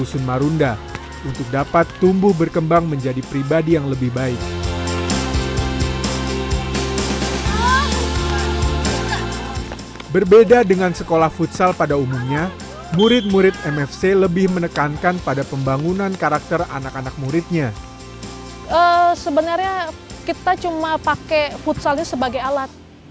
sebenarnya kita cuma pakai futsalnya sebagai alat